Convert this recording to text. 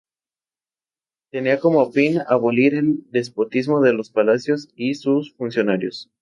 Tenía como fin abolir el despotismo de los palacios y sus funcionarios.